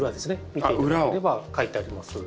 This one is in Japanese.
見て頂ければ書いてあります。